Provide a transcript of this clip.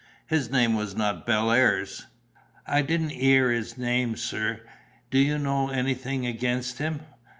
His name was not Bellairs?" "I didn't 'ear the name, sir. Do you know anything against him?"